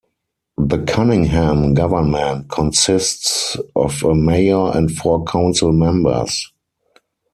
The Cunningham government consists of a mayor and four council members.